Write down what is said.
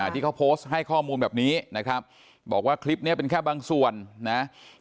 ที่เขาโพสต์ให้ข้อมูลแบบนี้นะครับบอกว่าคลิปนี้เป็นแค่บางส่วนนะ